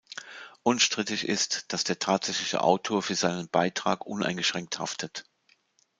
Unstrittig ist, dass der tatsächliche Autor für seinen Beitrag uneingeschränkt haftet.